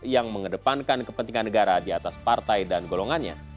yang mengedepankan kepentingan negara di atas partai dan golongannya